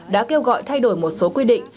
đã kêu gọi thay đổi một số quy định